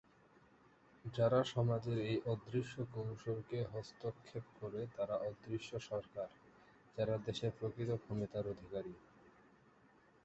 যারা সমাজের এই অদৃশ্য কৌশলকে হস্তক্ষেপ করে তারা অদৃশ্য সরকার, যারা দেশের প্রকৃত ক্ষমতার অধিকারী।